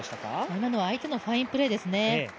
今のは相手のファインプレーですね。